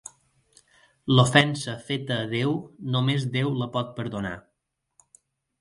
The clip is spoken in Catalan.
L'ofensa feta a Déu, només Déu la pot perdonar.